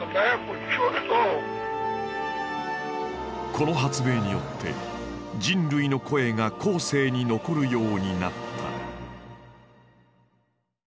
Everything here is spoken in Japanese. この発明によって人類の声が後世に残るようになった。